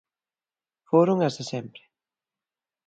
Foron as de sempre.